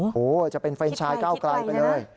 โหจะเป็นเฟรนชายก้าวไกลไปเลย